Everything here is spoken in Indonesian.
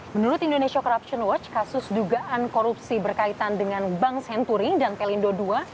menurut indonesia corruption watch kasus dugaan korupsi berkaitan dengan bank senturi dan pelindo ii